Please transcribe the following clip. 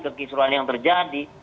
kekisuan yang terjadi